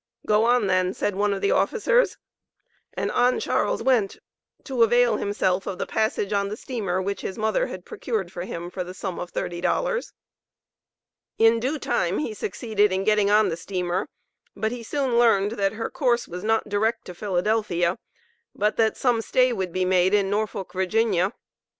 "Go on then!" said one of the officers, and on Charles went to avail himself of the passage on the steamer which his mother had procured for him for the sum of thirty dollars. In due time, he succeeded in getting on the steamer, but he soon learned, that her course was not direct to Philadelphia, but that some stay would be made in Norfolk, Va.